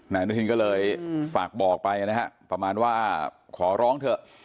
อนุทินก็เลยฝากบอกไปนะฮะประมาณว่าขอร้องเถอะ